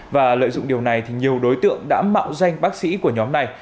và lợi dụng điều này thì nhiều đối tượng đã mạo danh bác sĩ của nhóm này